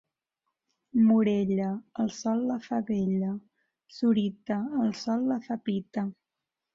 Morella, el sol la fa vella; Sorita, el sol la fa pita.